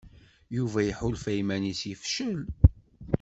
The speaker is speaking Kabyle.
Yuba iḥulfa iman-is yefcel.